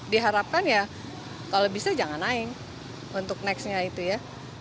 diharapkan ya kalau bisa jangan naik untuk nextnya itu ya